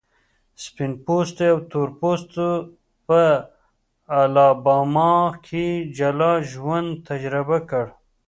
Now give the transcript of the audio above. سپین پوستو او تور پوستو په الاباما کې جلا ژوند تجربه کړ.